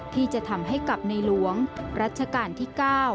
ที่จะทำให้กับในหลวงรัชกาลที่๙